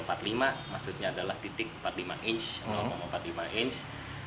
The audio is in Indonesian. kaliban empat puluh lima maksudnya adalah titik empat puluh lima inch